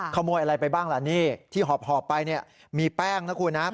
ขโมยอะไรไปบ้างล่ะที่หอบไปมีแป้งนะคุณนะ